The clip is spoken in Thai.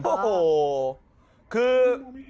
โอ้โหคือ